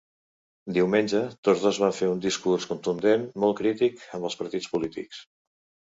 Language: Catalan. Diumenge tots dos van fer un discurs contundent molt crític amb els partits polítics.